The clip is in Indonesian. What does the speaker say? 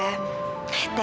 tes ginjalnya pak